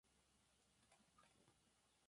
El grupo de trabajo del Prof.